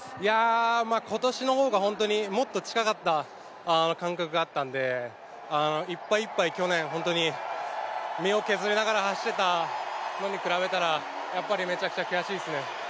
今年の方が、もっと近かった感覚があったので、いっぱいいっぱい去年、本当に身を削りながら走っていたのに比べたらやっぱりめちゃくちゃ悔しいですね。